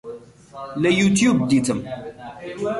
لە یوتیوب دیتم